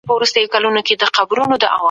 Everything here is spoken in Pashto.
که يو څوک پوه وي نو په واقيعتونو به پوه سي.